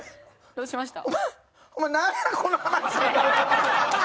どうしました？